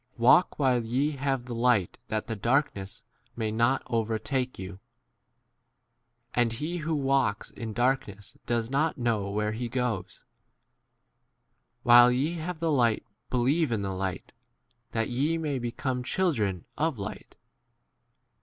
Walk while ye have the light that the darkness may not over take y you. And he who walks in darkness does not know where he 36 goes. While ye have the light be lieve in the light, that ye may be come children of light.